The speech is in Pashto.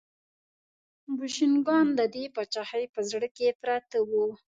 بوشنګان د دې پاچاهۍ په زړه کې پراته وو.